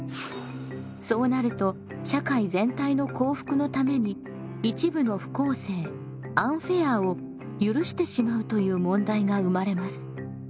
そうなると社会全体の幸福のために一部の不公正アンフェアを許してしまうという問題が生まれます。